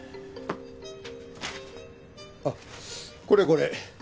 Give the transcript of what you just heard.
あっこれこれ。